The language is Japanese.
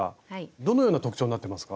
どのような特徴になってますか？